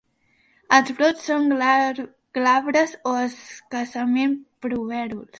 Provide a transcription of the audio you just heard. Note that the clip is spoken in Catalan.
Els brots són glabres o escassament, pubèruls.